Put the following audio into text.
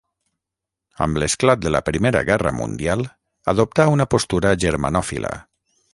Amb l'esclat de la Primera Guerra Mundial, adoptà una postura germanòfila.